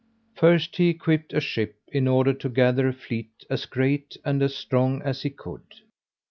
First, he equipped a ship, in order to gather a fleet as great, and as strong as he could.